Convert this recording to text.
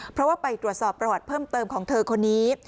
เพราะว่าไปตรวจสอบประวัติเพิ่มเติมของเธอคนนี้